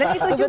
dan itu juga